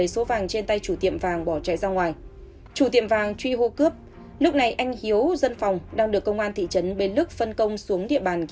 xin chào các bạn